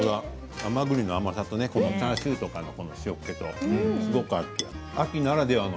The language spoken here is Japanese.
甘ぐりの甘さとチャーシューとかの塩けと秋ならではの。